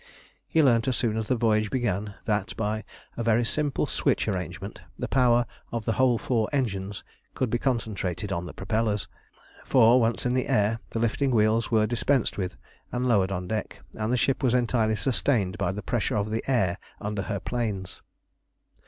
He learnt as soon as the voyage began, that, by a very simple switch arrangement, the power of the whole four engines could be concentrated on the propellers; for, once in the air, the lifting wheels were dispensed with and lowered on deck, and the ship was entirely sustained by the pressure of the air under her planes.